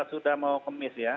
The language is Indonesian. sudah mau kemis ya